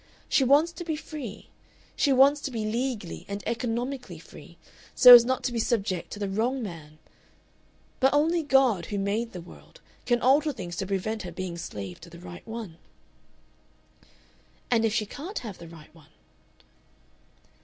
She wants to be free she wants to be legally and economically free, so as not to be subject to the wrong man; but only God, who made the world, can alter things to prevent her being slave to the right one. "And if she can't have the right one?